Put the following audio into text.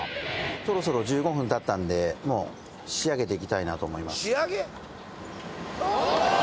そろそろ１５分たったんで仕上げていきたいなと思います